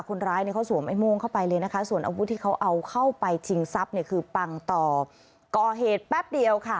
คนร้ายเนี่ยเขาสวมไอ้โม่งเข้าไปเลยนะคะส่วนอาวุธที่เขาเอาเข้าไปชิงทรัพย์เนี่ยคือปังต่อก่อเหตุแป๊บเดียวค่ะ